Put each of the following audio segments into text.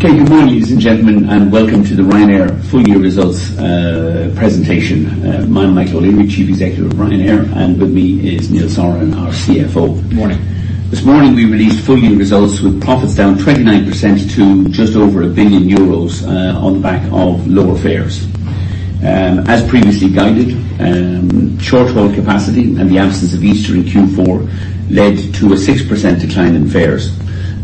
Okay. Good morning, ladies and gentlemen, welcome to the Ryanair full-year results presentation. I am Michael O'Leary, Chief Executive of Ryanair, with me is Neil Sorahan, our CFO. Morning. This morning we released full-year results with profits down 29% to just over 1 billion euros, on the back of lower fares. As previously guided, short-haul capacity and the absence of Easter in Q4 led to a 6% decline in fares.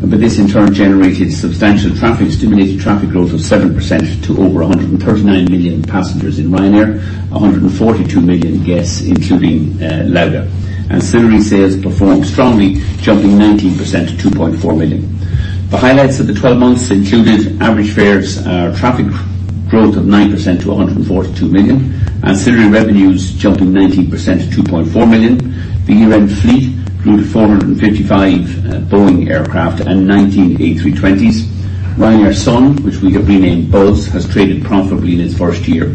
This, in turn, generated substantial traffic, stimulated traffic growth of 7% to over 139 million passengers in Ryanair, 142 million guests including Lauda. Ancillary sales performed strongly, jumping 19% to 2.4 million. The highlights of the 12 months included average fares, traffic growth of 9% to 142 million, ancillary revenues jumping 19% to 2.4 million. The year-end fleet grew to 455 Boeing aircraft and 19 A320s. Ryanair Sun, which we have renamed Buzz, has traded profitably in its first year.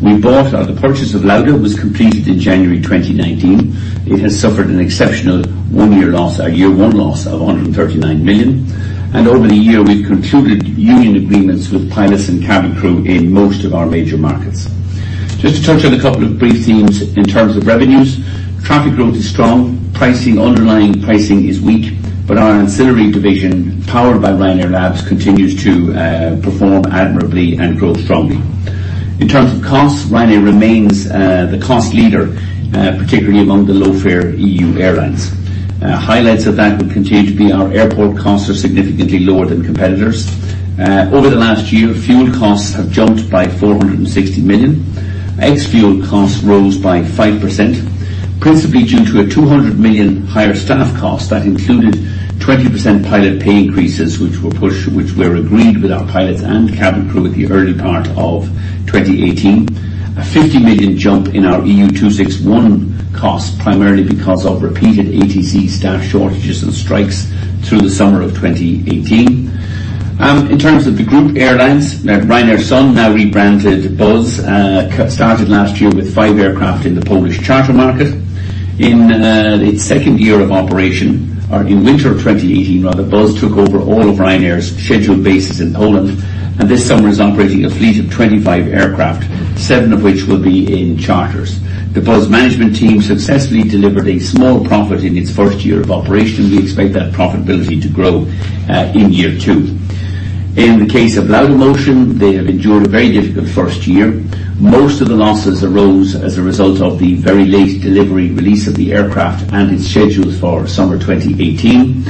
The purchase of Lauda was completed in January 2019. It has suffered an exceptional one-year loss, our year-one loss, of 139 million. Over the year, we have concluded union agreements with pilots and cabin crew in most of our major markets. Just to touch on a couple of brief themes in terms of revenues. Traffic growth is strong. Pricing, underlying pricing is weak. Our ancillary division, powered by Ryanair Labs, continues to perform admirably and grow strongly. In terms of costs, Ryanair remains the cost leader, particularly among the low-fare EU airlines. Highlights of that would continue to be our airport costs are significantly lower than competitors. Over the last year, fuel costs have jumped by 460 million. Ex-fuel costs rose by 5%, principally due to a 200 million higher staff cost that included 20% pilot pay increases, which were agreed with our pilots and cabin crew at the early part of 2018. A 50 million jump in our EU261 cost, primarily because of repeated ATC staff shortages and strikes through the summer of 2018. In terms of the group airlines, Ryanair Sun, now rebranded Buzz, started last year with five aircraft in the Polish charter market. In its second year of operation, or in winter 2018 rather, Buzz took over all of Ryanair's scheduled bases in Poland. This summer is operating a fleet of 25 aircraft, seven of which will be in charters. The Buzz management team successfully delivered a small profit in its first year of operation. We expect that profitability to grow in year two. In the case of Laudamotion, they have endured a very difficult first year. Most of the losses arose as a result of the very late delivery and release of the aircraft and its schedules for summer 2018.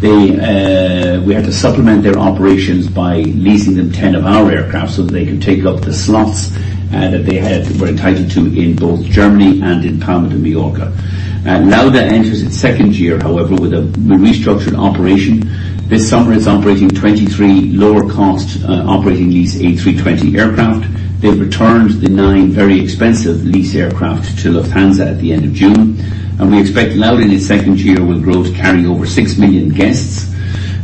We had to supplement their operations by leasing them 10 of our aircraft so that they could take up the slots that they were entitled to in both Germany and in Palma de Mallorca. Lauda enters its second year, however, with a restructured operation. This summer it is operating 23 lower-cost operating lease A320 aircraft. They have returned the nine very expensive lease aircraft to Lufthansa at the end of June. We expect Lauda in its second year will grow to carry over 6 million guests.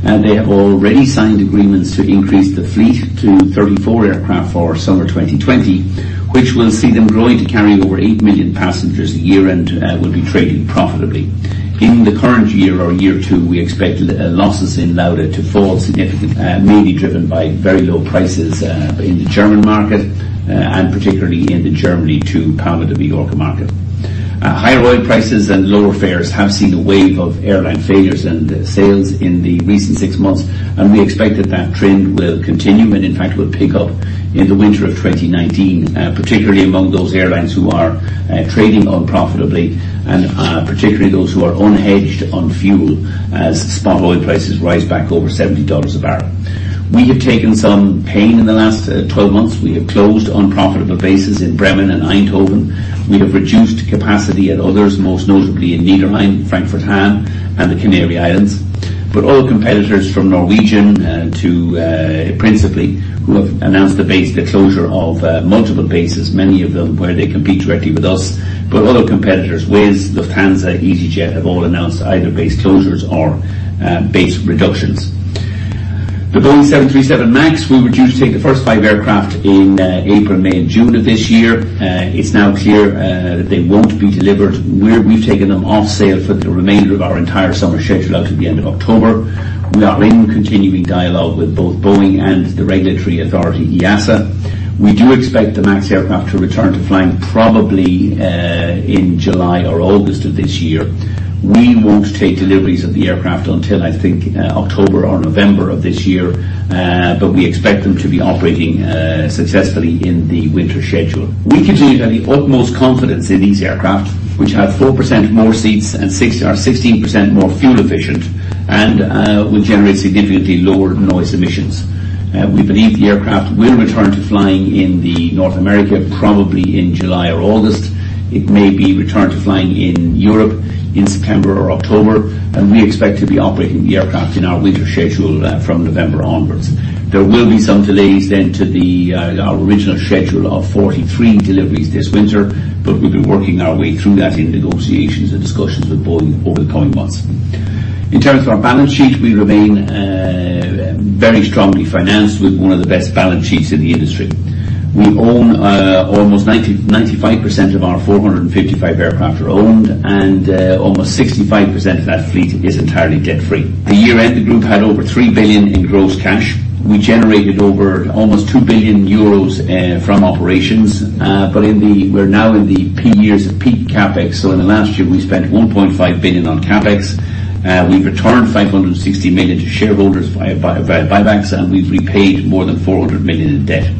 They have already signed agreements to increase the fleet to 34 aircraft for summer 2020, which will see them growing to carry over 8 million passengers a year and will be trading profitably. In the current year or year two, we expect losses in Lauda to fall significantly, mainly driven by very low prices in the German market, and particularly in the Germany to Palma de Mallorca market. Higher oil prices and lower fares have seen a wave of airline failures and sales in the recent six months, and we expect that that trend will continue and in fact will pick up in the winter of 2019, particularly among those airlines who are trading unprofitably and particularly those who are unhedged on fuel as spot oil prices rise back over $70 a barrel. We have taken some pain in the last 12 months. We have closed unprofitable bases in Bremen and Eindhoven. We have reduced capacity at others, most notably in Niederrhein, Frankfurt-Hahn, and the Canary Islands. Other competitors from Norwegian to principally who have announced the closure of multiple bases, many of them where they compete directly with us. Other competitors, Wizz, Lufthansa, easyJet, have all announced either base closures or base reductions. The Boeing 737 MAX, we were due to take the first five aircraft in April, May, and June of this year. It's now clear that they won't be delivered. We've taken them off sale for the remainder of our entire summer schedule out to the end of October. We are in continuing dialogue with both Boeing and the regulatory authority, EASA. We do expect the MAX aircraft to return to flying probably in July or August of this year. We won't take deliveries of the aircraft until I think October or November of this year, but we expect them to be operating successfully in the winter schedule. We continue to have the utmost confidence in these aircraft, which have 4% more seats and are 16% more fuel efficient and will generate significantly lower noise emissions. We believe the aircraft will return to flying in the North America, probably in July or August. It may be returned to flying in Europe in September or October, and we expect to be operating the aircraft in our winter schedule from November onwards. There will be some delays to our original schedule of 43 deliveries this winter, but we'll be working our way through that in negotiations and discussions with Boeing over the coming months. In terms of our balance sheet, we remain very strongly financed with one of the best balance sheets in the industry. Almost 95% of our 455 aircraft are owned, and almost 65% of that fleet is entirely debt-free. At year-end, the group had over 3 billion in gross cash. We generated over almost 2 billion euros from operations. We're now the years of peak CapEx. In the last year, we spent 1.5 billion on CapEx. We've returned 560 million to shareholders via buybacks, and we've repaid more than 400 million in debt.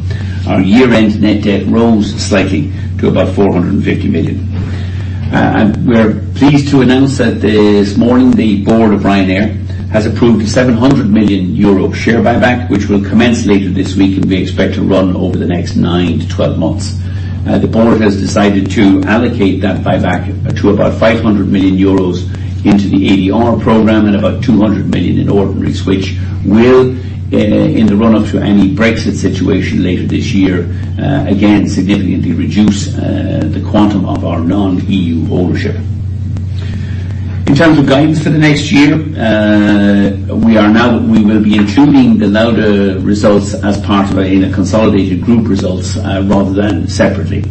Our year-end net debt rose slightly to about 450 million. We're pleased to announce that this morning, the board of Ryanair has approved a 700 million euro share buyback, which will commence later this week, and we expect to run over the next nine to 12 months. The board has decided to allocate that buyback to about 500 million euros into the ADR program and about 200 million in ordinaries, which will, in the run-up to any Brexit situation later this year, again, significantly reduce the quantum of our non-EU ownership. In terms of guidance for the next year, we will be including the Lauda results as part of our consolidated group results rather than separately.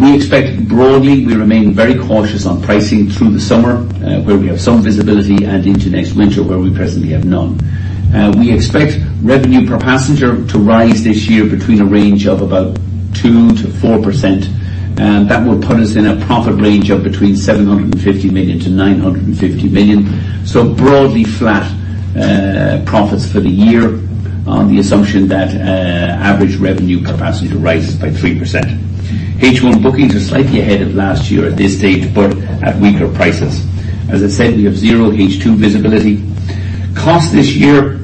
We expect broadly, we remain very cautious on pricing through the summer, where we have some visibility and into next winter, where we presently have none. We expect revenue per passenger to rise this year between a range of about 2%-4%. That would put us in a profit range of between 750 million-950 million. Broadly flat profits for the year on the assumption that average revenue per passenger rises by 3%. H1 bookings are slightly ahead of last year at this stage, but at weaker prices. As I said, we have zero H2 visibility. Costs this year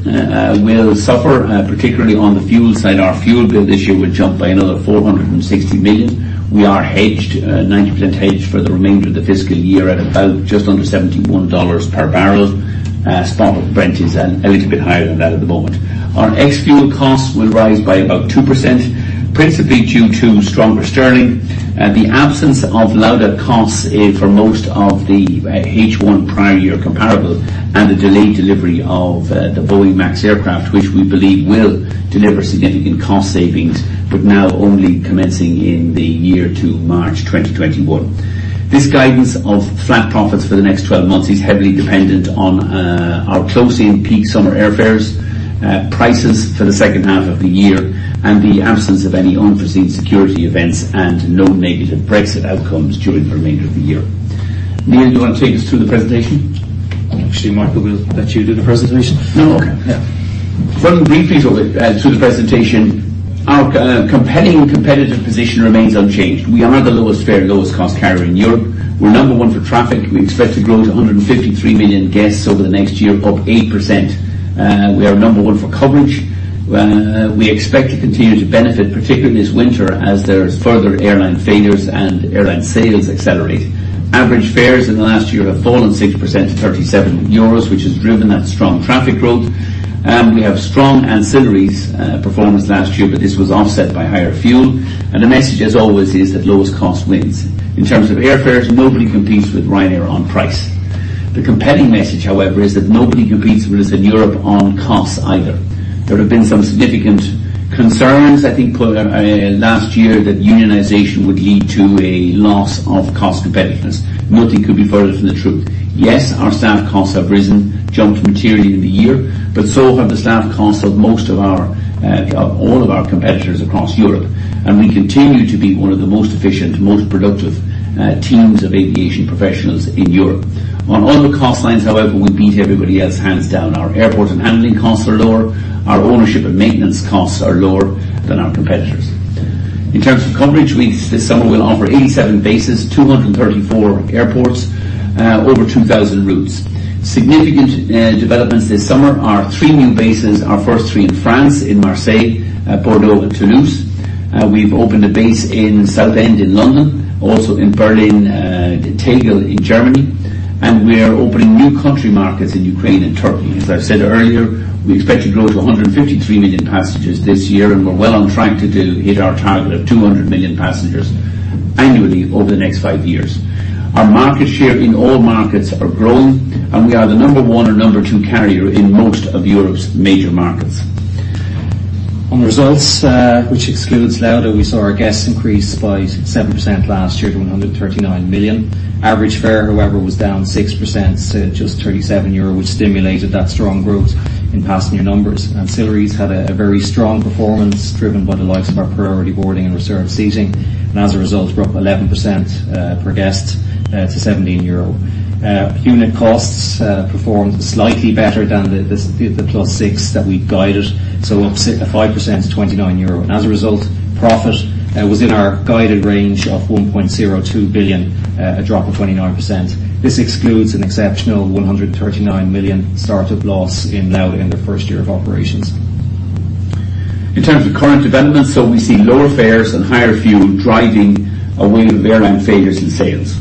will suffer, particularly on the fuel side. Our fuel bill this year will jump by another 460 million. We are hedged, 90% hedged for the remainder of the fiscal year at about just under $71 per barrel. Spot of Brent is a little bit higher than that at the moment. Our ex-fuel costs will rise by about 2%, principally due to stronger sterling. The absence of Lauda costs for most of the H1 prior year comparable and the delayed delivery of the Boeing MAX aircraft, which we believe will deliver significant cost savings, but now only commencing in the year to March 2021. This guidance of flat profits for the next 12 months is heavily dependent on our close-in peak summer airfares, prices for the second half of the year, and the absence of any unforeseen security events and no negative Brexit outcomes during the remainder of the year. Neil, do you want to take us through the presentation? Actually, Michael will let you do the presentation. No. Okay. Yeah. One brief piece of it. To the presentation. Our competing competitive position remains unchanged. We are the lowest fare, lowest cost carrier in Europe. We're number one for traffic. We expect to grow to 153 million guests over the next year, up 8%. We are number one for coverage. We expect to continue to benefit, particularly this winter, as there's further airline failures and airline sales accelerate. Average fares in the last year have fallen 6% to 37 euros, which has driven that strong traffic growth. We have strong ancillaries performance last year, but this was offset by higher fuel. The message, as always, is that lowest cost wins. In terms of airfares, nobody competes with Ryanair on price. The competing message, however, is that nobody competes with us in Europe on costs either. There have been some significant concerns, I think last year that unionization would lead to a loss of cost competitiveness. Nothing could be further from the truth. Yes, our staff costs have risen, jumped materially in the year, but so have the staff costs of all of our competitors across Europe. We continue to be one of the most efficient, most productive teams of aviation professionals in Europe. On all the cost lines, however, we beat everybody else hands down. Our airport and handling costs are lower. Our ownership and maintenance costs are lower than our competitors. In terms of coverage, this summer, we'll offer 87 bases, 234 airports, over 2,000 routes. Significant developments this summer are three new bases, our first three in France, in Marseille, Bordeaux, and Toulouse. We've opened a base in Southend in London, also in Berlin, Tegel in Germany. We are opening new country markets in Ukraine and Turkey. As I said earlier, we expect to grow to 153 million passengers this year. We're well on track to hit our target of 200 million passengers annually over the next five years. Our market share in all markets are growing. We are the number one or number two carrier in most of Europe's major markets. On results, which excludes Lauda, we saw our guests increase by 7% last year to 139 million. Average fare, however, was down 6% to just 37 euro, which stimulated that strong growth in passenger numbers. Ancillaries had a very strong performance driven by the likes of our priority boarding and reserved seating, and as a result, were up 11% per guest to 17 euro. Unit costs performed slightly better than the +6 that we guided, so up 5% to 29 euro. As a result, profit was in our guided range of 1.02 billion, a drop of 29%. This excludes an exceptional 139 million startup loss in Lauda in their first year of operations. In terms of current developments, we see lower fares and higher fuel driving a wave of airline failures and sales.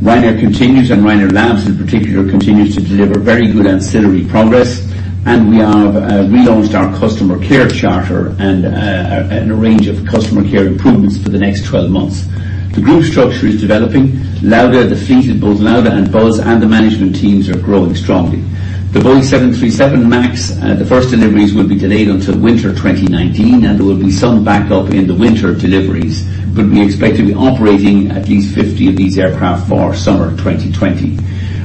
Ryanair continues, and Ryanair Labs in particular, continues to deliver very good ancillary progress, and we have relaunched our customer care charter and a range of customer care improvements for the next 12 months. The group structure is developing. Lauda, the fleet of both Lauda and Buzz and the management teams are growing strongly. The Boeing 737 MAX, the first deliveries will be delayed until winter 2019, and there will be some backup in the winter deliveries. But we expect to be operating at least 50 of these aircraft for summer 2020.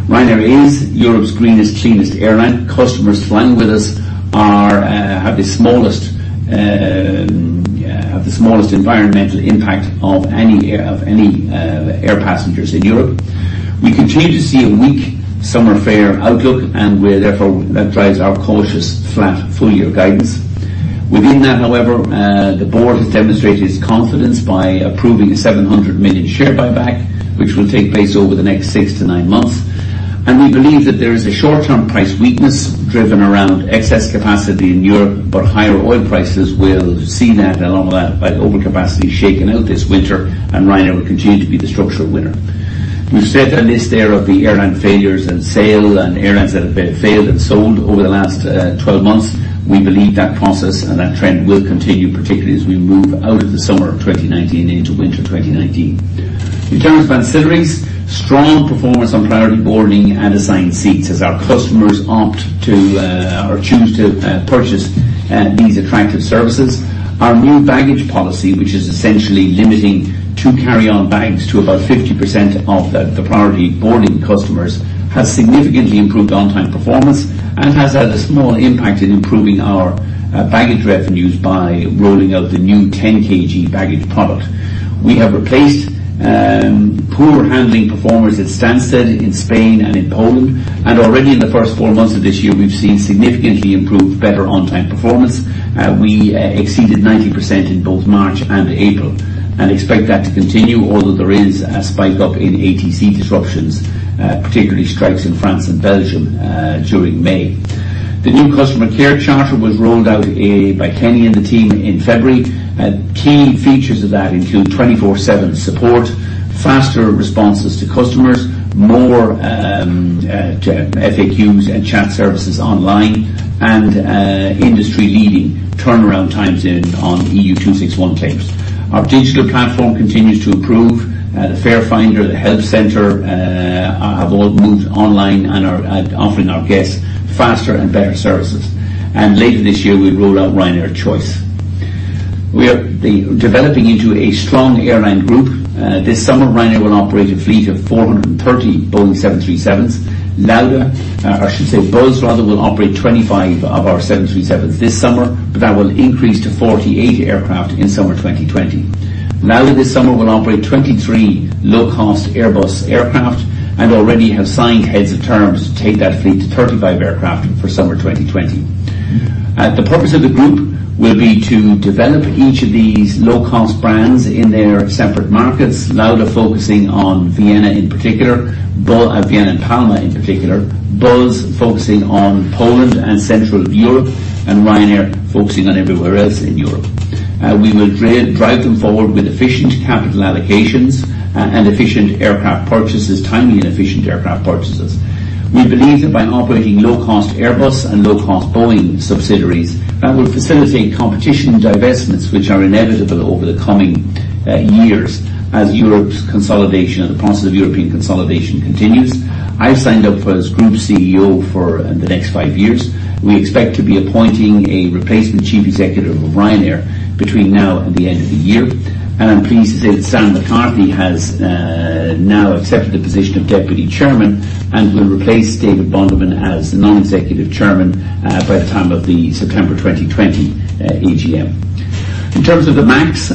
Ryanair is Europe's greenest, cleanest airline. Customers flying with us have the smallest environmental impact of any air passengers in Europe. We continue to see a weak summer fare outlook, and therefore that drives our cautious flat full-year guidance. Within that, however, the board has demonstrated its confidence by approving a 700 million share buyback, which will take place over the next 6-9 months. And we believe that there is a short-term price weakness driven around excess capacity in Europe, but higher oil prices will see that and all that overcapacity shaken out this winter, and Ryanair will continue to be the structural winner. We've set a list there of the airline failures and sale and airlines that have failed and sold over the last 12 months. We believe that process and that trend will continue, particularly as we move out of the summer of 2019 into winter 2019. In terms of ancillaries, strong performance on priority boarding and assigned seats as our customers opt to or choose to purchase these attractive services. Our new baggage policy, which is essentially limiting two carry-on bags to about 50% of the priority boarding customers, has significantly improved on-time performance and has had a small impact in improving our baggage revenues by rolling out the new 10 kg baggage product. We have replaced poor handling performers at Stansted, in Spain, and in Poland, and already in the first four months of this year, we've seen significantly improved, better on-time performance. We exceeded 90% in both March and April and expect that to continue, although there is a spike up in ATC disruptions, particularly strikes in France and Belgium, during May. The new customer care charter was rolled out by Kenny and the team in February. Key features of that include 24/7 support, faster responses to customers, more FAQs and chat services online, and industry-leading turnaround times on EU261 claims. Our digital platform continues to improve. The Fare Finder, the Help Center, have all moved online and are offering our guests faster and better services. Later this year, we will roll out Ryanair Choice. We are developing into a strong airline group. This summer, Ryanair will operate a fleet of 430 Boeing 737s. Buzz, rather, will operate 25 of our 737s this summer, but that will increase to 48 aircraft in summer 2020. Lauda this summer will operate 23 low-cost Airbus aircraft and already have signed heads of terms to take that fleet to 35 aircraft for summer 2020. The purpose of the group will be to develop each of these low-cost brands in their separate markets, Lauda focusing on Vienna and Palma in particular, Buzz focusing on Poland and Central Europe, and Ryanair focusing on everywhere else in Europe. We will drive them forward with efficient capital allocations and efficient aircraft purchases, timely and efficient aircraft purchases. We believe that by operating low-cost Airbus and low-cost Boeing subsidiaries, that will facilitate competition divestments, which are inevitable over the coming years as Europe's consolidation and the process of European consolidation continues. I have signed up as Group CEO for the next five years. We expect to be appointing a replacement Chief Executive of Ryanair between now and the end of the year. I am pleased to say that Stan McCarthy has now accepted the position of Deputy Chairman and will replace David Bonderman as Non-Executive Chairman by the time of the September 2020 AGM. In terms of the MAX,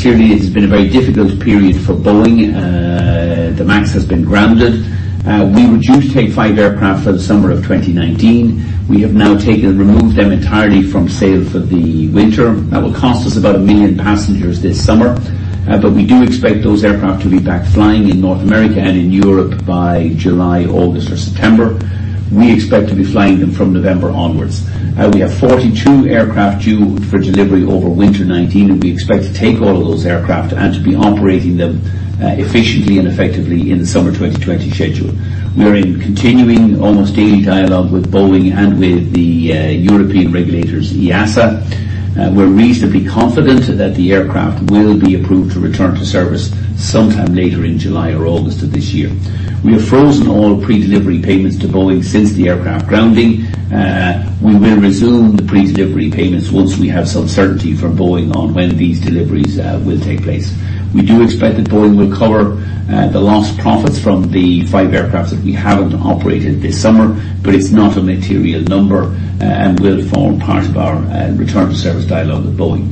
clearly it has been a very difficult period for Boeing. The MAX has been grounded. We were due to take five aircraft for the summer of 2019. We have now taken and removed them entirely from sale for the winter. That will cost us about 1 million passengers this summer. We do expect those aircraft to be back flying in North America and in Europe by July, August, or September. We expect to be flying them from November onwards. We have 42 aircraft due for delivery over winter 2019, and we expect to take all of those aircraft and to be operating them efficiently and effectively in the summer 2020 schedule. We are in continuing, almost daily dialogue with Boeing and with the European regulators, EASA. We are reasonably confident that the aircraft will be approved to return to service sometime later in July or August of this year. We have frozen all predelivery payments to Boeing since the aircraft grounding. We will resume the predelivery payments once we have some certainty from Boeing on when these deliveries will take place. We do expect that Boeing will cover the lost profits from the five aircraft that we have not operated this summer, but it is not a material number and will form part of our return to service dialogue with Boeing.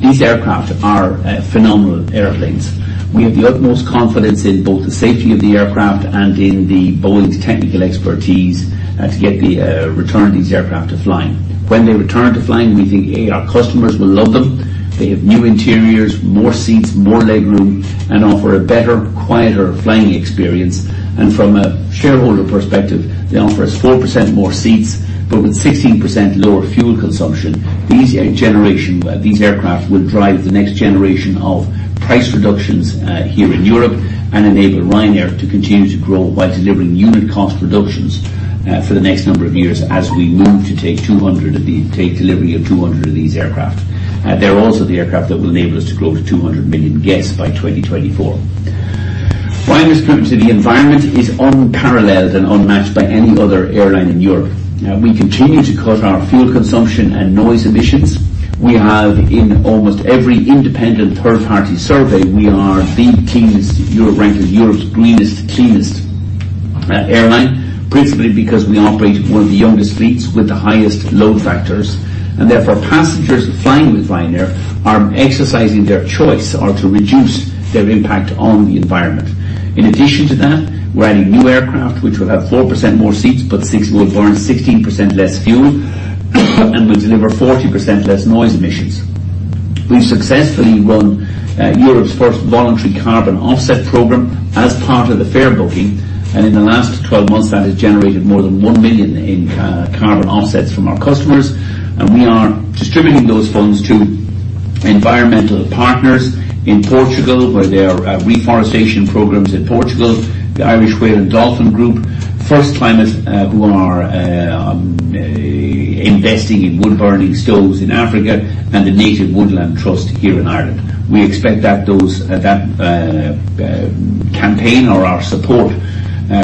These aircraft are phenomenal airplanes. We have the utmost confidence in both the safety of the aircraft and in Boeing's technical expertise to get the return of these aircraft to flying. When they return to flying, we think, A, our customers will love them. They have new interiors, more seats, more legroom, and offer a better, quieter flying experience. From a shareholder perspective, they offer us 4% more seats, but with 16% lower fuel consumption. These aircraft will drive the next generation of price reductions here in Europe and enable Ryanair to continue to grow by delivering unit cost reductions for the next number of years as we move to take delivery of 200 of these aircraft. They're also the aircraft that will enable us to grow to 200 million guests by 2024. Ryanair's commitment to the environment is unparalleled and unmatched by any other airline in Europe. We continue to cut our fuel consumption and noise emissions. We have in almost every independent third-party survey, we are the cleanest. Ranked as Europe's greenest, cleanest airline, principally because we operate one of the youngest fleets with the highest load factors. Therefore, passengers flying with Ryanair are exercising their choice or to reduce their impact on the environment. In addition to that, we're adding new aircraft, which will have 4% more seats, but will burn 16% less fuel and will deliver 40% less noise emissions. We've successfully run Europe's first voluntary carbon offset program as part of the fare booking, and in the last 12 months, that has generated more than 1 million in carbon offsets from our customers, and we are distributing those funds to environmental partners in Portugal, where there are reforestation programs in Portugal, the Irish Whale and Dolphin Group, First Climate, who are investing in wood-burning stoves in Africa, and the Native Woodland Trust here in Ireland. We expect that that campaign or our support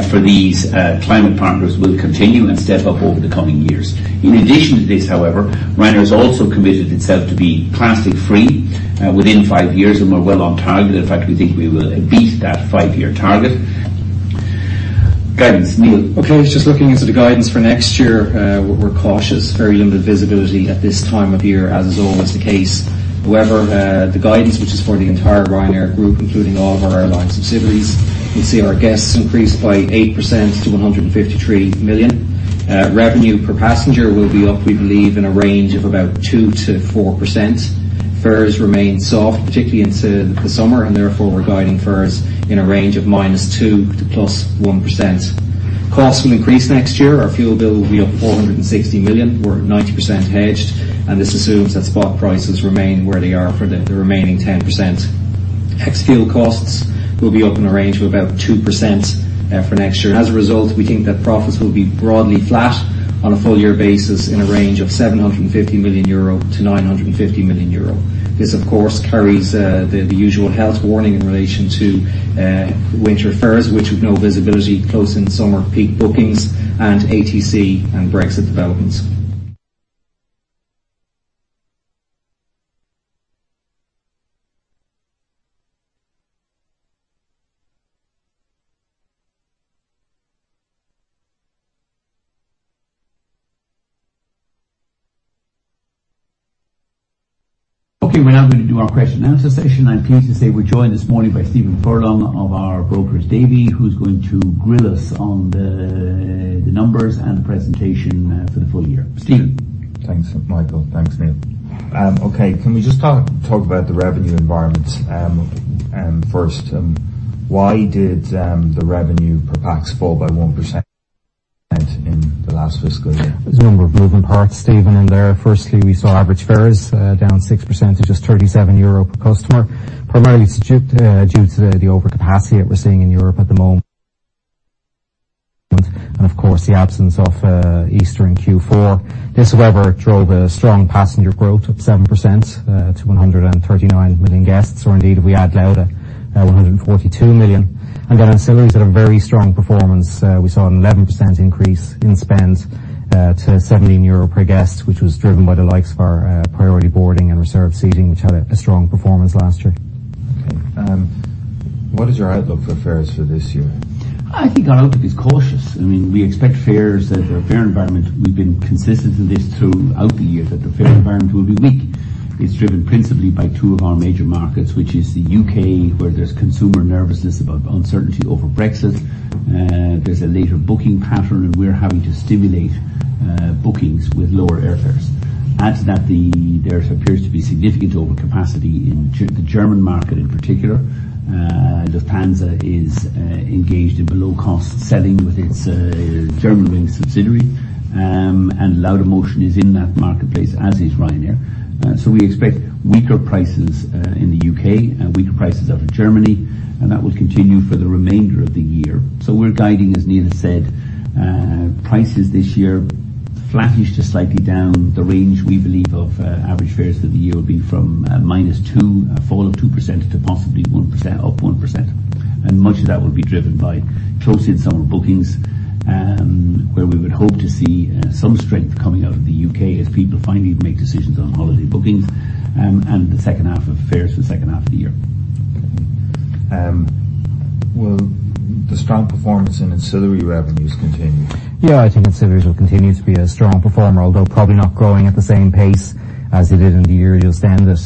for these climate partners will continue and step up over the coming years. In addition to this, however, Ryanair has also committed itself to be plastic-free within 5 years, and we're well on target. In fact, we think we will beat that 5-year target. Guidance. Neil? Okay. Just looking into the guidance for next year. We're cautious. Very limited visibility at this time of year, as is always the case. However, the guidance, which is for the entire Ryanair Group, including all of our airline subsidiaries, we see our guests increase by 8% to 153 million. Revenue per passenger will be up, we believe, in a range of about 2%-4%. Fares remain soft, particularly into the summer, and therefore we're guiding fares in a range of -2% to +1%. Costs will increase next year. Our fuel bill will be up 460 million. We're at 90% hedged, and this assumes that spot prices remain where they are for the remaining 10%. Ex-fuel costs will be up in a range of about 2% for next year. As a result, we think that profits will be broadly flat on a full-year basis in a range of 750 million euro to 950 million euro. This, of course, carries the usual health warning in relation to winter fares, which with no visibility close in summer peak bookings and ATC and Brexit developments. Okay. We're now going to do our question and answer session. I'm pleased to say we're joined this morning by Stephen Furlong of our brokers Davy who's going to grill us on the numbers and the presentation for the full year. Stephen? Thanks, Michael. Thanks, Neil. Okay. Can we just talk about the revenue environment first? Why did the revenue per pax fall by 1% in the last fiscal year? There's a number of moving parts, Stephen, in there. Firstly, we saw average fares down 6% to just 37 euro per customer, primarily due to the overcapacity that we're seeing in Europe at the moment, and of course, the absence of Easter in Q4. This, however, drove a strong passenger growth of 7% to 139 million guests, or indeed, if we add Lauda, 142 million. Then ancillaries had a very strong performance. We saw an 11% increase in spend to 17 euro per guest, which was driven by the likes of our priority boarding and reserve seating, which had a strong performance last year. Okay. What is your outlook for fares for this year? I think our outlook is cautious. We expect the fare environment, we've been consistent in this throughout the year, that the fare environment will be weak. It's driven principally by two of our major markets, which is the U.K., where there's consumer nervousness about uncertainty over Brexit. There's a later booking pattern, and we're having to stimulate bookings with lower air fares. Add to that, there appears to be significant overcapacity in the German market in particular. Lufthansa is engaged in below-cost selling with its Germanwings subsidiary, and Laudamotion is in that marketplace, as is Ryanair. We expect weaker prices in the U.K. and weaker prices out of Germany, and that will continue for the remainder of the year. We're guiding, as Neil said, prices this year flattish to slightly down. The range we believe of average fares for the year will be from -2%, a fall of 2% to possibly up 1%. Much of that will be driven by close-in summer bookings, where we would hope to see some strength coming out of the U.K. as people finally make decisions on holiday bookings and the second half of fares for the second half of the year. Will the strong performance in ancillary revenues continue? Yeah, I think ancillaries will continue to be a strong performer, although probably not growing at the same pace as it did in the year just ended.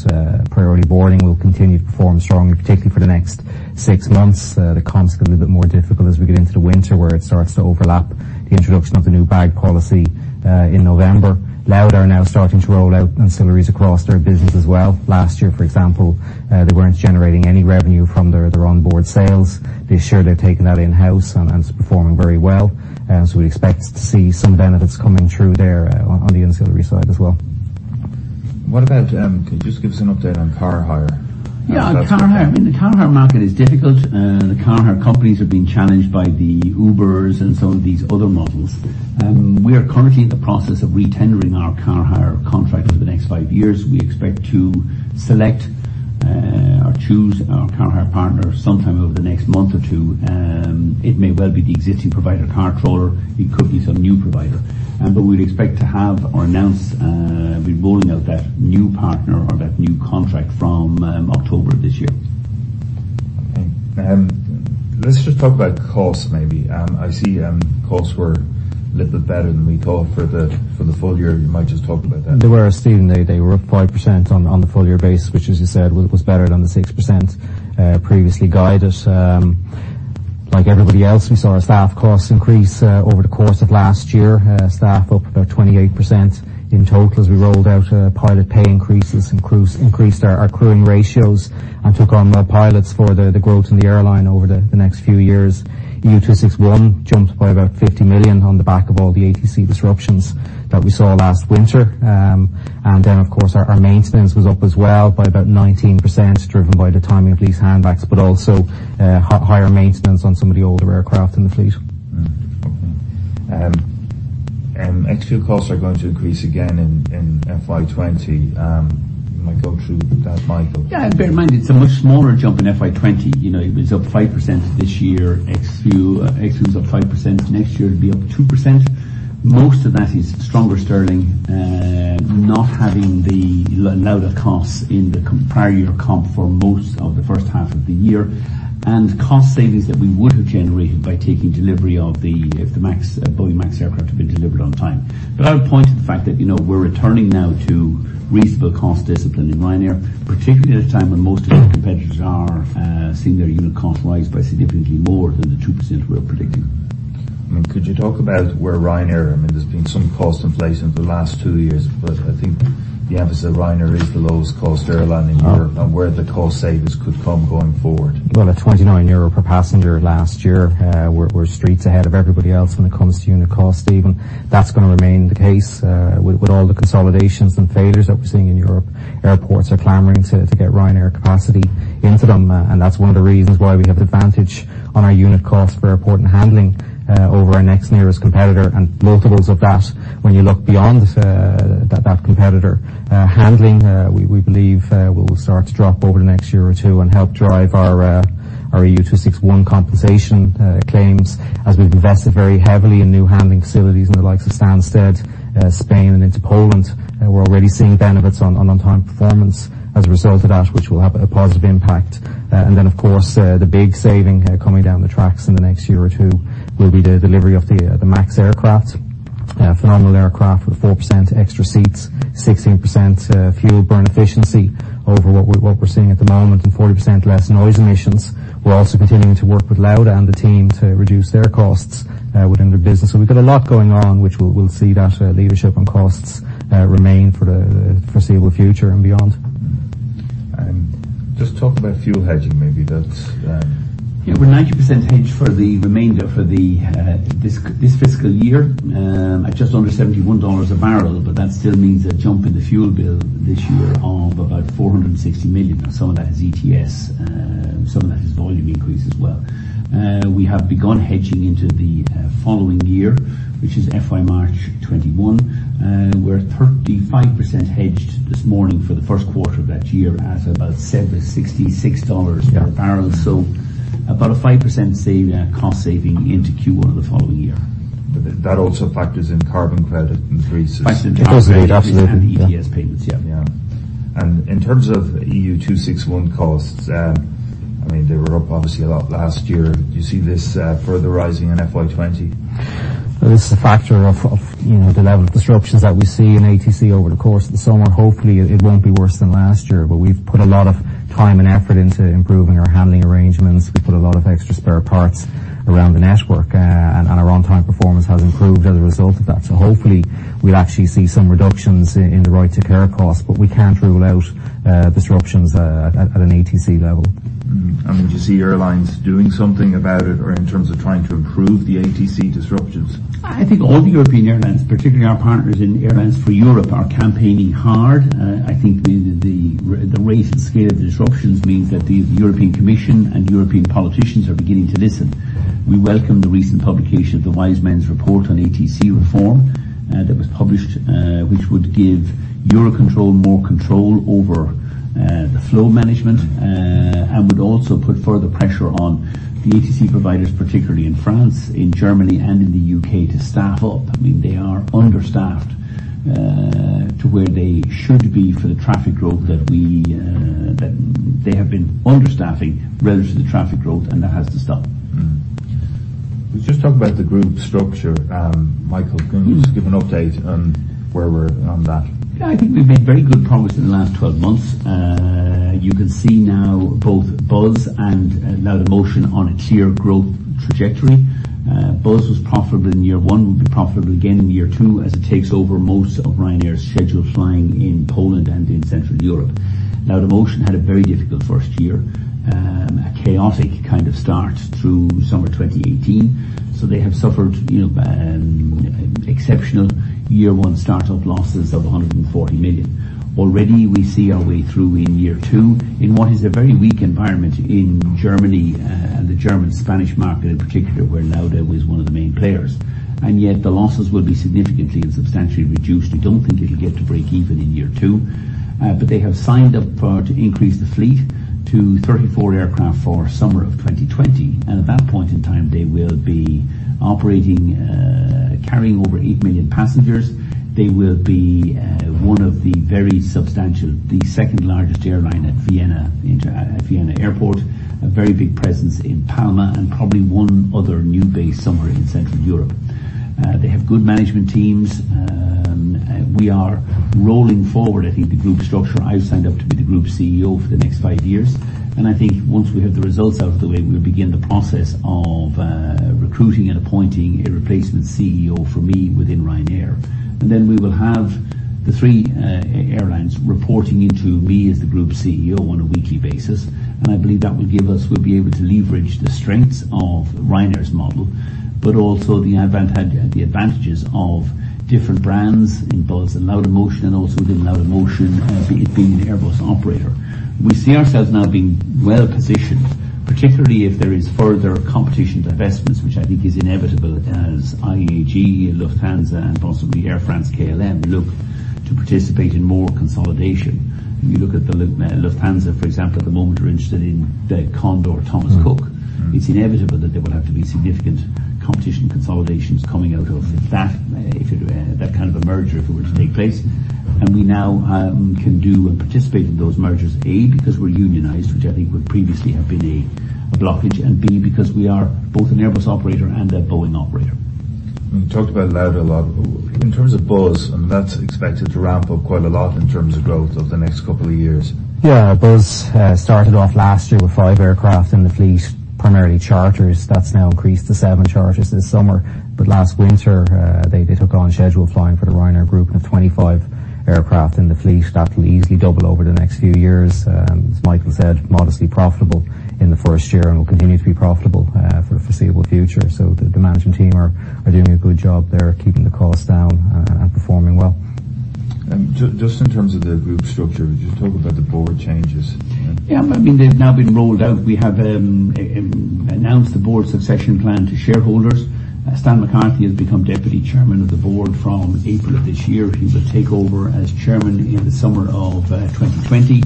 Priority boarding will continue to perform strongly, particularly for the next six months. The comps get a little bit more difficult as we get into the winter, where it starts to overlap the introduction of the new bag policy in November. Lauda are now starting to roll out ancillaries across their business as well. Last year, for example, they weren't generating any revenue from their onboard sales. This year, they've taken that in-house, and it's performing very well. We'd expect to see some benefits coming through there on the ancillary side as well. Can you just give us an update on car hire? Yeah. The car hire market is difficult. The car hire companies have been challenged by the Ubers and some of these other models. We are currently in the process of re-tendering our car hire contract for the next five years. We expect to select or choose our car hire partner sometime over the next month or two. It may well be the existing provider, CarTrawler. It could be some new provider. We'd expect to have or be rolling out that new partner or that new contract from October This year. Okay. Let's just talk about costs, maybe. I see costs were a little better than we thought for the full year. You might just talk about that. They were, Stephen. They were up 5% on the full year base, which, as you said, was better than the 6% previously guided. Like everybody else, we saw our staff costs increase over the course of last year. Staff up about 28% in total as we rolled out pilot pay increases, increased our crewing ratios, and took on more pilots for the growth in the airline over the next few years. EU261 jumped by about 50 million on the back of all the ATC disruptions that we saw last winter. Of course, our maintenance was up as well by about 19%, driven by the timing of leasehandbacks, but also higher maintenance on some of the older aircraft in the fleet. Okay. Ex-fuel costs are going to increase again in FY '20. You might go through that, Michael. Yeah. Bear in mind, it's a much smaller jump in FY '20. It was up 5% this year, ex-fuel. Ex-fuel's up 5%. Next year, it'll be up 2%. Most of that is stronger sterling, not having the Lauda costs in the prior year comp for most of the first half of the year, and cost savings that we would have generated by taking delivery of the Boeing MAX aircraft have been delivered on time. I would point to the fact that we're returning now to reasonable cost discipline in Ryanair, particularly at a time when most of our competitors are seeing their unit cost rise by significantly more than the 2% we're predicting. Could you talk about where Ryanair, I mean, there's been some cost inflation for the last two years, but I think the emphasis at Ryanair is the lowest cost airline in Europe and where the cost savings could come going forward. Well, at 29 euro per passenger last year, we're streets ahead of everybody else when it comes to unit cost, Stephen. That's going to remain the case. With all the consolidations and failures that we're seeing in Europe, airports are clamoring to get Ryanair capacity into them, and that's one of the reasons why we have advantage on our unit cost for airport and handling over our next nearest competitor and multiples of that when you look beyond that competitor. Handling, we believe will start to drop over the next year or two and help drive our EU261 compensation claims as we've invested very heavily in new handling facilities in the likes of Stansted, Spain and into Poland. We're already seeing benefits on on-time performance as a result of that, which will have a positive impact. Then, of course, the big saving coming down the tracks in the next year or two will be the delivery of the MAX aircraft. Phenomenal aircraft with 4% extra seats, 16% fuel burn efficiency over what we're seeing at the moment, and 40% less noise emissions. We're also continuing to work with Lauda and the team to reduce their costs within their business. We've got a lot going on, which we'll see that leadership on costs remain for the foreseeable future and beyond. Just talk about fuel hedging, maybe. Yeah. We're 90% hedged for the remainder for this fiscal year at just under $71 a barrel. That still means a jump in the fuel bill this year of about 460 million, and some of that is ETS, some of that is volume increase as well. We have begun hedging into the following year, which is FY March 21. We're 35% hedged this morning for the first quarter of that year at about $61 per barrel. About a 5% cost saving into Q1 of the following year. That also factors in carbon credit increases. Factors in carbon credits and ETS payments, yeah. Yeah. In terms of EU261 costs, they were up obviously a lot last year. Do you see this further rising in FY 2020? This is a factor of the level of disruptions that we see in ATC over the course of the summer. Hopefully, it won't be worse than last year, but we've put a lot of time and effort into improving our handling arrangements. We put a lot of extra spare parts around the network, and our on-time performance has improved as a result of that. Hopefully, we'll actually see some reductions in the right to care costs, but we can't rule out disruptions at an ATC level. Do you see airlines doing something about it or in terms of trying to improve the ATC disruptions? I think all the European airlines, particularly our partners in Airlines for Europe, are campaigning hard. I think the rate and scale of the disruptions means that the European Commission and European politicians are beginning to listen. We welcome the recent publication of the Wise Persons Group report on ATC reform that was published, which would give Eurocontrol more control over the flow management, and would also put further pressure on the ATC providers, particularly in France, Germany, and the U.K., to staff up. They have been understaffing relative to the traffic growth, and that has to stop. Just talk about the group structure. Michael, can you just give an update on where we're on that? Yeah. I think we've made very good progress in the last 12 months. You can see now both Buzz and Laudamotion on a clear growth trajectory. Buzz was profitable in year one, will be profitable again in year two as it takes over most of Ryanair's scheduled flying in Poland and in Central Europe. They have suffered exceptional year one startup losses of 140 million. Already, we see our way through in year two in what is a very weak environment in Germany and the German-Spanish market in particular, where Lauda was one of the main players. Yet the losses will be significantly and substantially reduced. We don't think it'll get to breakeven in year two, but they have signed up for to increase the fleet to 34 aircraft for summer of 2020. At that point in time, they will be operating, carrying over eight million passengers. One of the very substantial, the second-largest airline at Vienna Airport, a very big presence in Palma, and probably one other new base somewhere in Central Europe. They have good management teams. We are rolling forward, I think, the group structure. I've signed up to be the group CEO for the next five years. I think once we have the results out of the way, we'll begin the process of recruiting and appointing a replacement CEO for me within Ryanair. Then we will have the three airlines reporting into me as the group CEO on a weekly basis. I believe We'll be able to leverage the strengths of Ryanair's model, but also the advantages of different brands in both Laudamotion and also within Laudamotion, being an Airbus operator. We see ourselves now being well-positioned, particularly if there is further competition divestments, which I think is inevitable as IAG, Lufthansa, and possibly Air France-KLM look to participate in more consolidation. You look at the Lufthansa, for example, at the moment, are interested in Condor or Thomas Cook. It's inevitable that there will have to be significant competition consolidations coming out of that kind of a merger if it were to take place. We now can do and participate in those mergers, A, because we're unionized, which I think would previously have been a blockage, and B, because we are both an Airbus operator and a Boeing operator. You talked about Lauda a lot. In terms of Buzz, that's expected to ramp up quite a lot in terms of growth over the next couple of years. Buzz started off last year with five aircraft in the fleet, primarily charters. That's now increased to seven charters this summer. Last winter, they took on schedule flying for the Ryanair Group of 25 aircraft in the fleet. That'll easily double over the next few years. As Michael said, modestly profitable in the first year and will continue to be profitable for the foreseeable future. The management team are doing a good job there, keeping the costs down and performing well. Just in terms of the group structure, just talk about the board changes. I mean, they've now been rolled out. We have announced the board succession plan to shareholders. Stan McCarthy has become Deputy Chairman of the board from April of this year. He will take over as Chairman in the summer of 2020.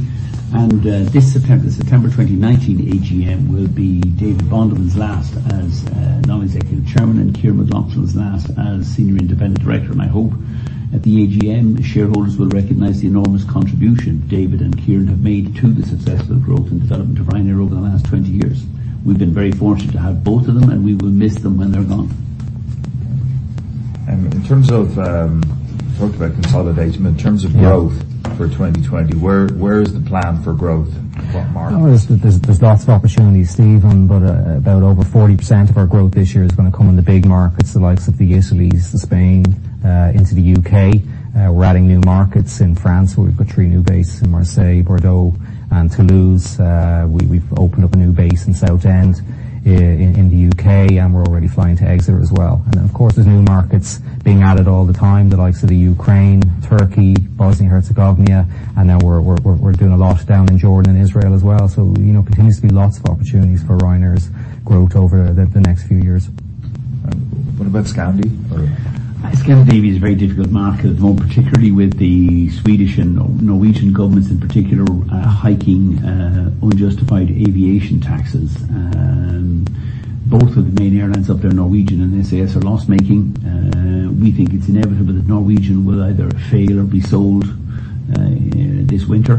This September 2019 AGM will be David Bonderman's last as Non-Executive Chairman and Kyran McLaughlin's last as Senior Independent Director. I hope at the AGM, shareholders will recognize the enormous contribution David and Kyran have made to the successful growth and development of Ryanair over the last 20 years. We've been very fortunate to have both of them, and we will miss them when they're gone. In terms of-- You talked about consolidation. In terms of growth for 2020, where is the plan for growth? In what markets? There's lots of opportunities, Stephen, over 40% of our growth this year is going to come in the big markets, the likes of the Italys, the Spain, into the U.K. We're adding new markets in France. We've got three new bases in Marseille, Bordeaux, and Toulouse. We've opened up a new base in Southend in the U.K., and we're already flying to Exeter as well. Of course, there's new markets being added all the time, the likes of the Ukraine, Turkey, Bosnia and Herzegovina, and now we're doing a lot down in Jordan and Israel as well. There continues to be lots of opportunities for Ryanair's growth over the next few years. What about Scandinavia? Scandinavia is a very difficult market at the moment, particularly with the Swedish and Norwegian governments in particular hiking unjustified aviation taxes. Both of the main airlines up there, Norwegian and SAS, are loss-making. We think it's inevitable that Norwegian will either fail or be sold this winter.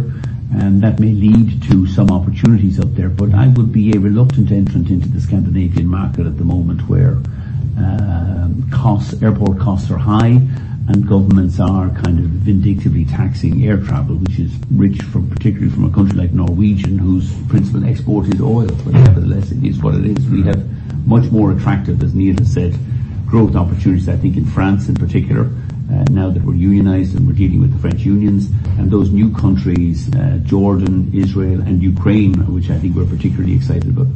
That may lead to some opportunities up there. I would be a reluctant entrant into the Scandinavian market at the moment, where airport costs are high and governments are kind of vindictively taxing air travel, which is rich, particularly from a country like Norwegian, whose principal export is oil. Nevertheless, it is what it is. We have much more attractive, as Neil has said, growth opportunities, I think in France in particular, now that we're unionized and we're dealing with the French unions and those new countries, Jordan, Israel, and Ukraine, which I think we're particularly excited about.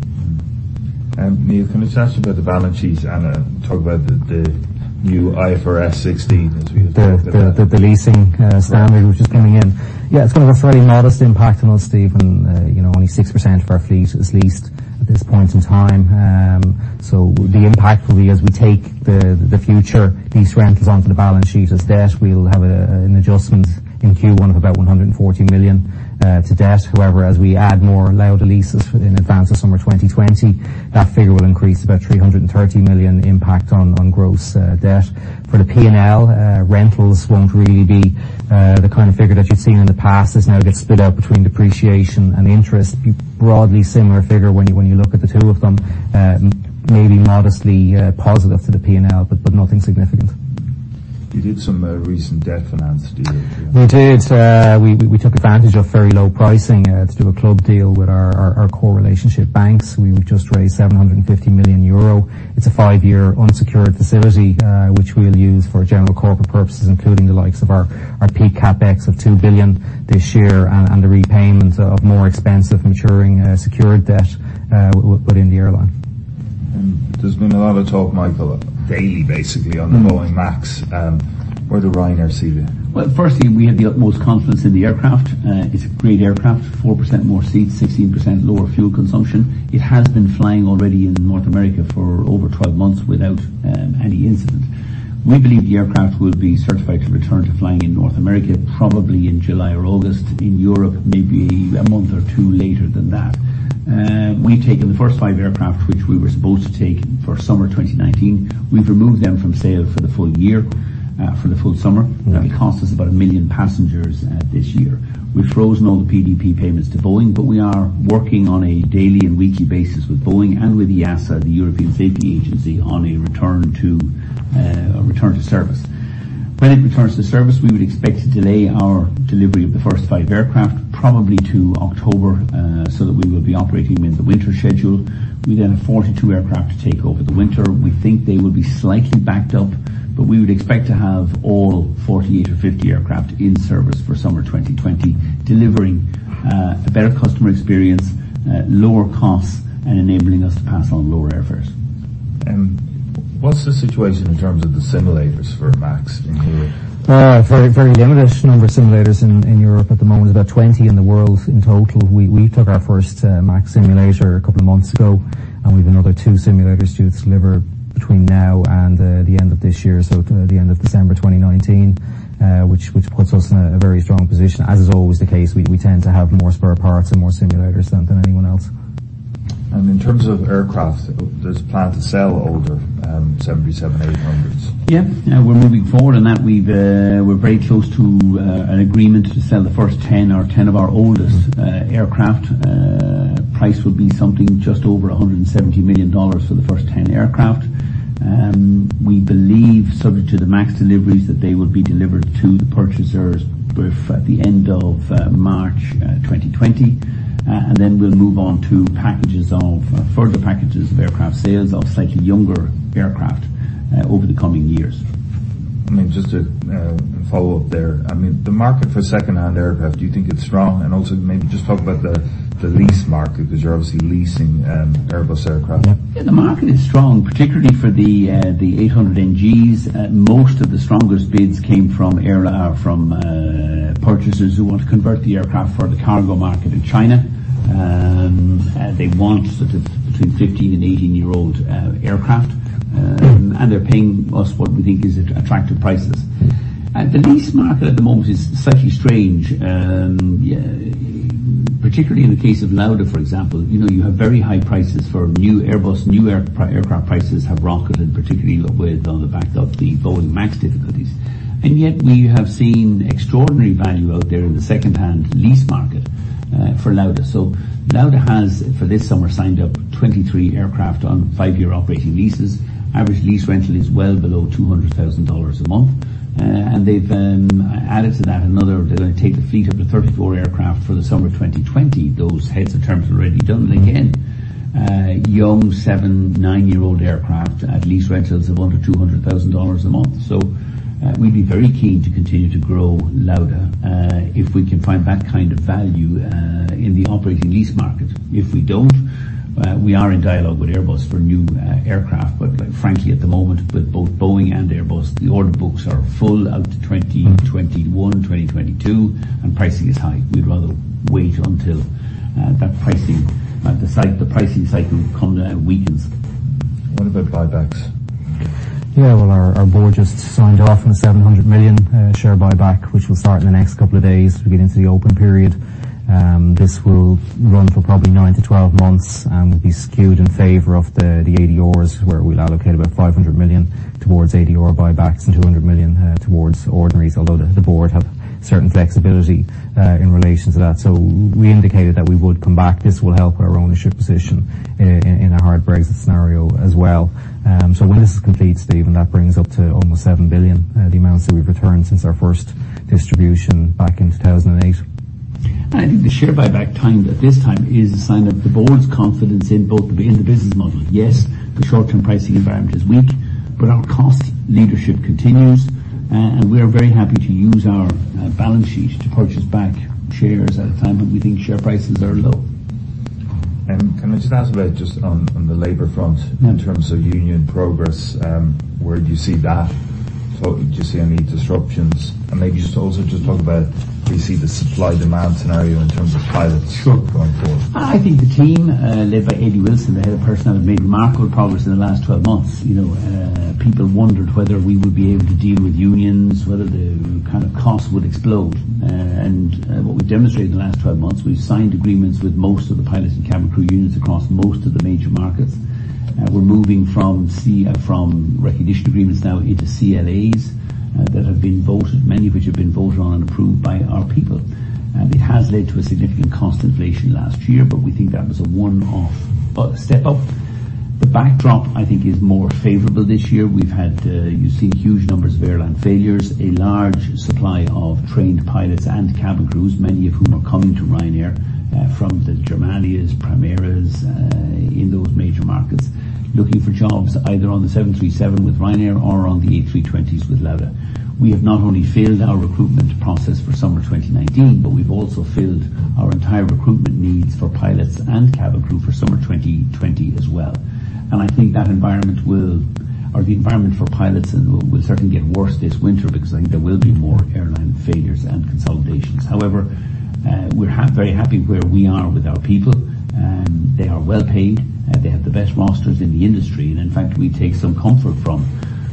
Neil, can I just ask you about the balance sheet and talk about the new IFRS 16 that's been? The leasing standard, which is coming in. Yeah, it's going to have a fairly modest impact on us, Stephen. Only 6% of our fleet is leased at this point in time. The impact will be as we take the future lease rentals onto the balance sheet as debt. We'll have an adjustment in Q1 of about 140 million to debt. However, as we add more Lauda leases in advance of summer 2020, that figure will increase. About 330 million impact on gross debt. For the P&L, rentals won't really be the kind of figure that you've seen in the past. This now gets split out between depreciation and interest. It'll be a broadly similar figure when you look at the two of them. Maybe modestly positive to the P&L, nothing significant. You did some recent debt finance deals. We did. We took advantage of very low pricing to do a club deal with our core relationship banks. We've just raised 750 million euro. It's a 5-year unsecured facility, which we'll use for general corporate purposes, including the likes of our peak CapEx of 2 billion this year and the repayment of more expensive maturing secured debt within the airline. There's been a lot of talk, Michael, daily, basically, on the Boeing MAX. Where do Ryanair see it? Well, firstly, we have the utmost confidence in the aircraft. It's a great aircraft, 4% more seats, 16% lower fuel consumption. It has been flying already in North America for over 12 months without any incident. We believe the aircraft will be certified to return to flying in North America probably in July or August. In Europe, maybe a month or two later than that. We've taken the first 5 aircraft, which we were supposed to take for summer 2019. We've removed them from sale for the full year, for the full summer. That'll cost us about 1 million passengers this year. We've frozen all the PDP payments to Boeing, but we are working on a daily and weekly basis with Boeing and with EASA, the European Union Aviation Safety Agency, on a return to service. When it returns to service, we would expect to delay our delivery of the first 5 aircraft probably to October, so that we will be operating with the winter schedule. We then have 42 aircraft to take over the winter. We think they will be slightly backed up, but we would expect to have all 48 or 50 aircraft in service for summer 2020, delivering a better customer experience, lower costs, and enabling us to pass on lower airfares. What's the situation in terms of the simulators for MAX in Europe? Very limited number of simulators in Europe at the moment. There's about 20 in the world in total. We took our first MAX simulator a couple of months ago. We've another two simulators to deliver between now and the end of this year, so the end of December 2019, which puts us in a very strong position. As is always the case, we tend to have more spare parts and more simulators than anyone else. In terms of aircraft, there's a plan to sell older 737-800s. Yeah. We're moving forward in that. We're very close to an agreement to sell the first 10 or 10 of our oldest aircraft. Price will be something just over EUR 170 million for the first 10 aircraft. We believe, subject to the MAX deliveries, that they will be delivered to the purchasers by the end of March 2020. We'll move on to further packages of aircraft sales of slightly younger aircraft over the coming years. Just to follow up there, the market for second-hand aircraft, do you think it's strong? Also maybe just talk about the lease market, because you're obviously leasing Airbus aircraft. Yeah. The market is strong, particularly for the 737-800NG. Most of the strongest bids came from purchasers who want to convert the aircraft for the cargo market in China. They want between 15 and 18-year-old aircraft, and they're paying us what we think is attractive prices. The lease market at the moment is slightly strange. Particularly in the case of Lauda, for example. You have very high prices for new Airbus. New aircraft prices have rocketed, particularly on the back of the Boeing MAX difficulties. Yet we have seen extraordinary value out there in the second-hand lease market for Lauda. Lauda has, for this summer, signed up 23 aircraft on five-year operating leases. Average lease rental is well below EUR 200,000 a month. They've added to that another. They're going to take a fleet of the 34 aircraft for the summer 2020. Those heads of terms are already done. Again, young seven, nine-year-old aircraft at lease rentals of under EUR 200,000 a month. We'd be very keen to continue to grow Lauda, if we can find that kind of value in the operating lease market. If we don't, we are in dialogue with Airbus for new aircraft. Frankly, at the moment, with both Boeing and Airbus, the order books are full out to 2021, 2022, and pricing is high. We'd rather wait until the pricing cycle weakens. What about buybacks? Well, our board just signed off on the 700 million share buyback, which will start in the next couple of days. We get into the open period. This will run for probably 9-12 months and will be skewed in favor of the ADRs, where we'll allocate about 500 million towards ADR buybacks and 200 million towards ordinaries, although the board have certain flexibility in relation to that. We indicated that we would come back. This will help our ownership position in a hard Brexit scenario as well. When this is complete, Stephen, that brings up to almost 7 billion, the amounts that we've returned since our first distribution back in 2008. I think the share buyback at this time is a sign of the board's confidence in the business model. The short-term pricing environment is weak, our cost leadership continues, we are very happy to use our balance sheet to purchase back shares at a time when we think share prices are low. Can I just ask about just on the labor front in terms of union progress, where do you see that? Do you see any disruptions? Maybe just also just talk about how you see the supply-demand scenario in terms of pilots going forward. I think the team led by Eddie Wilson, the Head of Personnel, have made remarkable progress in the last 12 months. People wondered whether we would be able to deal with unions, whether the costs would explode. What we've demonstrated in the last 12 months, we've signed agreements with most of the pilots and cabin crew unions across most of the major markets. We're moving from recognition agreements now into CLAs that have been voted, many of which have been voted on and approved by our people. It has led to a significant cost inflation last year, we think that was a one-off step up. The backdrop, I think, is more favorable this year. You've seen huge numbers of airline failures, a large supply of trained pilots and cabin crews, many of whom are coming to Ryanair from the Germanias, Primera Air, in those major markets, looking for jobs either on the 737 with Ryanair or on the A320s with Lauda. We have not only filled our recruitment process for summer 2019, but we've also filled our entire recruitment needs for pilots and cabin crew for summer 2020 as well. I think that environment or the environment for pilots will certainly get worse this winter because I think there will be more airline failures and consolidations. However, we're very happy where we are with our people. They are well paid. They have the best rosters in the industry. In fact, we take some comfort from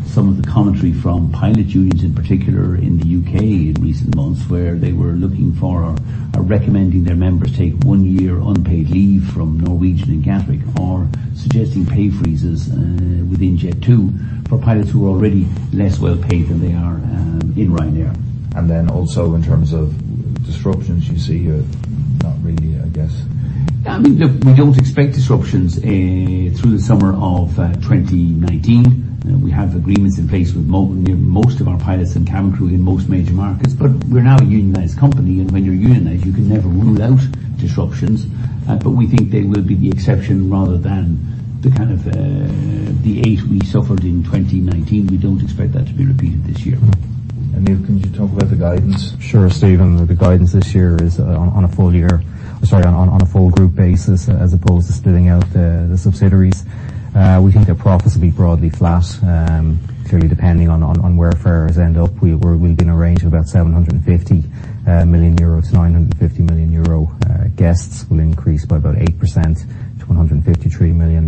some of the commentary from pilot unions, in particular in the U.K. in recent months, where they were looking for or recommending their members take one year unpaid leave from Norwegian and Cathay Pacific or suggesting pay freezes within Jet2 for pilots who are already less well paid in Ryanair. Then also in terms of disruptions, you see you're not really, I guess. Yeah. Look, we don't expect disruptions through the summer of 2019. We have agreements in place with most of our pilots and cabin crew in most major markets. We're now a unionized company, and when you're unionized, you can never rule out disruptions. We think they will be the exception rather than the kind of the eight we suffered in 2019. We don't expect that to be repeated this year. Neil, can you talk about the guidance? Sure, Stephen. The guidance this year is on a full group basis as opposed to splitting out the subsidiaries. We think that profits will be broadly flat. Clearly depending on where fares end up, we'll be in a range of about 750 million-950 million euro. Guests will increase by about 8% to 153 million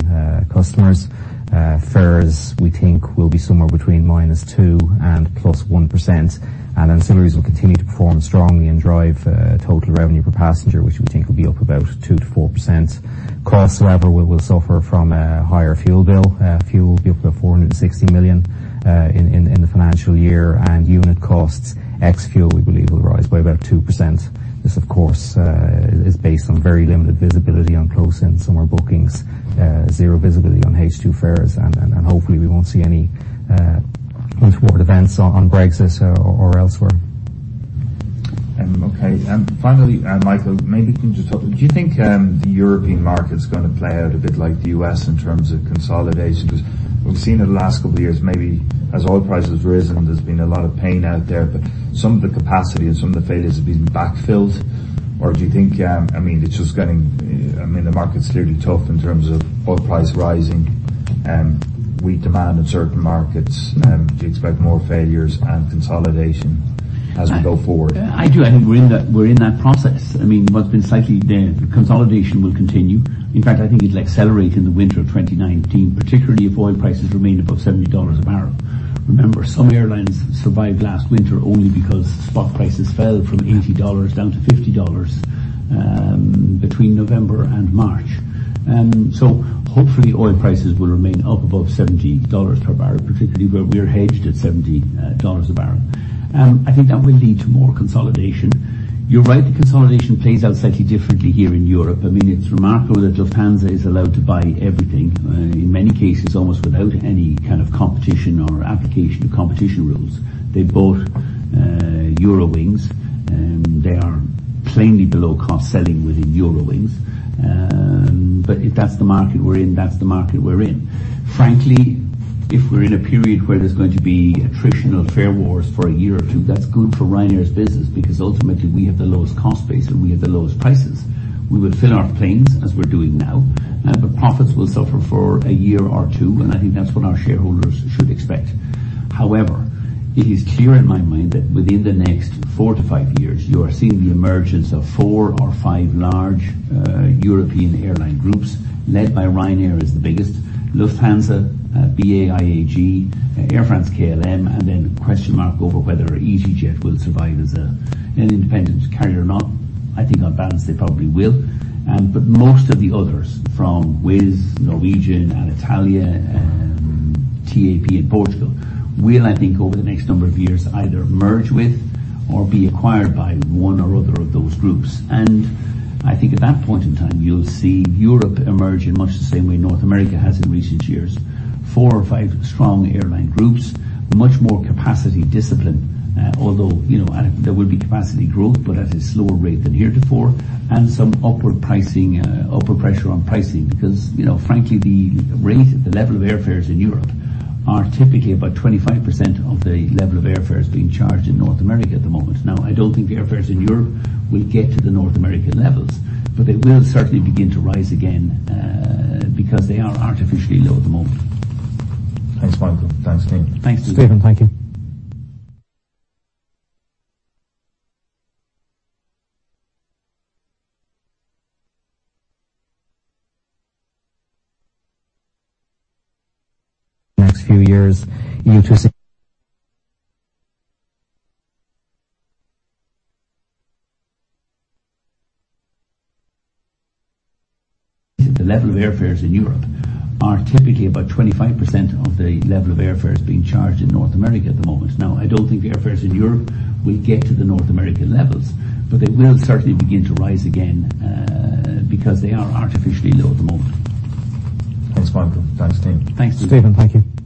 customers. Fares, we think, will be somewhere between -2% and +1%. Ancillaries will continue to perform strongly and drive total revenue per passenger, which we think will be up about 2%-4%. Cost level, we will suffer from a higher fuel bill. Fuel will be up to 460 million in the financial year. Unit costs, ex fuel, we believe will rise by about 2%. This, of course, is based on very limited visibility on close-in summer bookings, zero visibility on H2 fares, and hopefully we won't see any untoward events on Brexit or elsewhere. Okay. Finally, Michael, maybe can you just talk, do you think the European market's going to play out a bit like the U.S. in terms of consolidation? We've seen it the last couple of years, maybe as oil prices have risen, there's been a lot of pain out there, but some of the capacity and some of the failures have been backfilled. Do you think, the market's clearly tough in terms of oil price rising, weak demand in certain markets? Do you expect more failures and consolidation as we go forward? I do. I think we're in that process. Consolidation will continue. In fact, I think it'll accelerate in the winter of 2019, particularly if oil prices remain above $70 a barrel. Remember, some airlines survived last winter only because spot prices fell from $80 down to $50 between November and March. Hopefully oil prices will remain up above $70 per barrel, particularly where we are hedged at $70 a barrel. I think that will lead to more consolidation. You're right that consolidation plays out slightly differently here in Europe. It's remarkable that Lufthansa is allowed to buy everything, in many cases almost without any kind of competition or application of competition rules. They bought Eurowings, they are plainly below cost-selling within Eurowings. If that's the market we're in, that's the market we're in. Frankly, if we're in a period where there's going to be attritional fare wars for a year or two, that's good for Ryanair's business because ultimately we have the lowest cost base and we have the lowest prices. We will fill our planes as we're doing now. Profits will suffer for a year or two, and I think that's what our shareholders should expect. However, it is clear in my mind that within the next four to five years, you are seeing the emergence of four or five large European airline groups led by Ryanair as the biggest, Lufthansa, BA-IAG, Air France-KLM, then a question mark over whether easyJet will survive as an independent carrier or not. I think on balance, they probably will. Most of the others, from Wizz, Norwegian, Alitalia, and TAP in Portugal will, I think, over the next number of years, either merge with or be acquired by one or other of those groups. I think at that point in time, you'll see Europe emerge in much the same way North America has in recent years. Four or five strong airline groups, much more capacity discipline, although there will be capacity growth, but at a slower rate than heretofore, and some upward pressure on pricing. Frankly, the rate at the level of airfares in Europe are typically about 25% of the level of airfares being charged in North America at the moment. Now, I don't think airfares in Europe will get to the North American levels, they will certainly begin to rise again, because they are artificially low at the moment. Thanks, Michael. Thanks, Neil. Thanks, Stephen. Stephen, thank you. Next few years you two see. The level of airfares in Europe are typically about 25% of the level of airfares being charged in North America at the moment. Now, I don't think airfares in Europe will get to the North American levels, but they will certainly begin to rise again, because they are artificially low at the moment. Thanks, Michael. Thanks, Neil. Thanks, Stephen. Stephen, thank you.